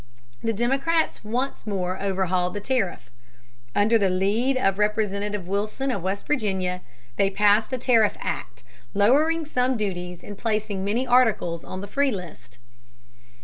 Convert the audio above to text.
The Democrats once more overhauled the tariff. Under the lead of Representative Wilson of West Virginia they passed a tariff act, lowering some duties and placing many articles on the free list.